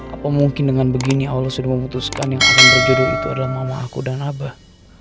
apa mungkin dengan begini allah sudah memutuskan yang akan berjudul itu adalah mama aku dan abah